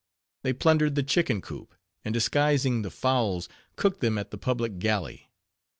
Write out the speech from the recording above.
They plundered the chicken coop; and disguising the fowls, cooked them at the public galley.